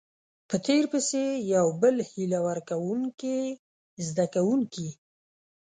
په تير پسې يو بل هيله ورکوونکۍ زده کوونکي